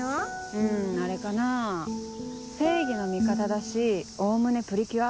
うんあれかな正義の味方だしおおむねプリキュア。